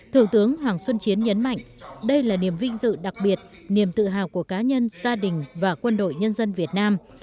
thượng tướng hoàng xuân chiến nhấn mạnh đây là niềm vinh dự đặc biệt niềm tự hào của cá nhân gia đình và quân đội nhân dân việt nam